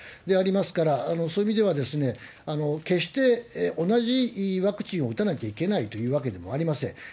でありますから、そういう意味では決して同じワクチンを打たなきゃいけないというわけではございません。